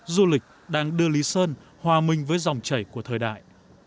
du lịch đang đưa lý sơn hòa minh với dòng chảy của thời đại